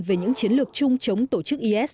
về những chiến lược chung chống tổ chức is